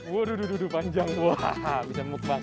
waduh panjang bisa mukbang